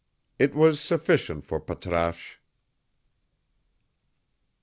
It was sufficient for Patrasche.